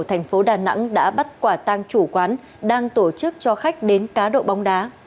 thành phố đà nẵng đã bắt quả tang chủ quán đang tổ chức cho khách đến cá độ bóng đá